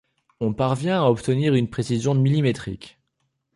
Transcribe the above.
On parvient à obtenir une précision millimétrique.